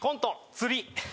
「釣り」